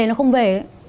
nó không về